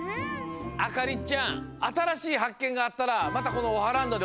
あかりちゃんあたらしいはっけんがあったらまたこのオハランドでおしえてね。